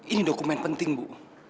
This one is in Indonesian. ini dokumen penting bu